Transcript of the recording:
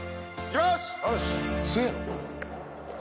よし！